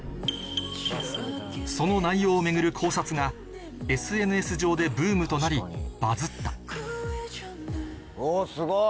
その内容を巡る考察がＳＮＳ上でブームとなりバズったおぉすごい！